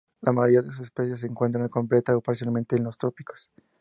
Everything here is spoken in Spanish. La mayoría de sus especies se encuentran completa o parcialmente en los trópicos.